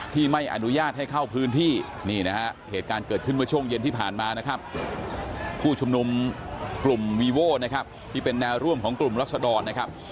ที่เป็นแนวร่วมของกลุ่มรัศดรนะครับ